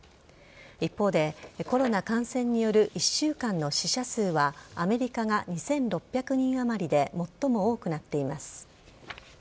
一方でコロナ感染による１週間の死者数はアメリカが２６００人あまりで最も多くなっています。